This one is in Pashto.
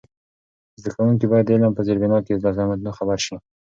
زده کوونکي باید د علم په زېربنا کې له زحمتونو خبر سي.